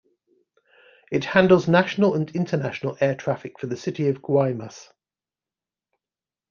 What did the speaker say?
It handles national and international air traffic for the city of Guaymas.